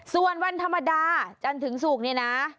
ส่วนวันธรรมดาจนถึงสุกเนี่ยนะ